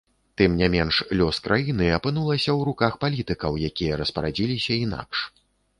Тым не менш, лёс краіны апынулася ў руках палітыкаў, якія распарадзіліся інакш.